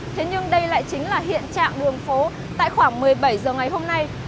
thế nhưng đây lại chính là hiện trạng đường phố tại khoảng một mươi bảy h ngày hôm nay